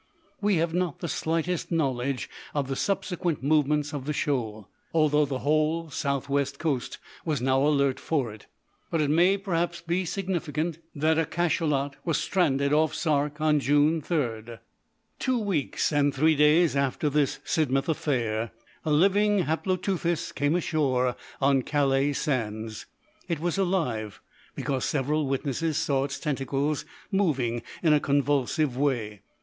We have not the slightest knowledge of the subsequent movements of the shoal, although the whole south west coast was now alert for it. But it may, perhaps, be significant that a cachalot was stranded off Sark on June 3. Two weeks and three days after this Sidmouth affair, a living Haploteuthis came ashore on Calais sands. It was alive, because several witnesses saw its tentacles moving in a convulsive way.